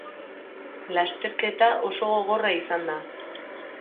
Lasterketa oso gogorra izan da.